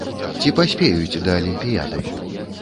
Ці паспеюць да алімпіяды?